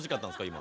今。